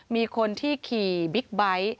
มีคนที่ขี่บิ๊กไบท์